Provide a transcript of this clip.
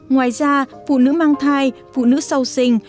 ngoài ra phụ nữ mang thai phụ nữ sau sinh